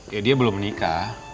ya dia belum menikah